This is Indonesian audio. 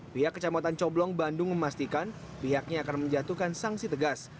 pihak kecamatan coblong bandung memastikan pihaknya akan menjatuhkan sanksi tegas